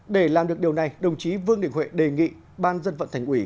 để làm được điều này đồng chí vương đình huệ đề nghị ban dân vận thành ủy